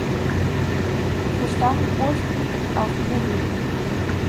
Sie stammen ursprünglich aus Peru.